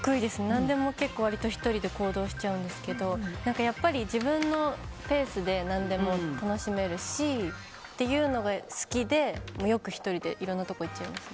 何でも結構、割と１人で行動しちゃうんですけどやっぱり自分のペースで何でも楽しめるしっていうのが好きでよく１人でいろんなところに行っちゃいます。